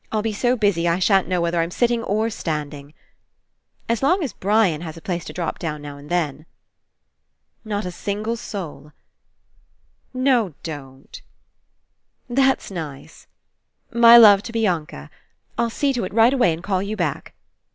I'll be so busy I shan't know whether I'm sit ting or standing. ... As long as Brian has a place to drop down now and then. ... Not a single soul. ... No, don't. .,.. That's nice. ... My love to Blanca. ... I'll see to It right away and call you back.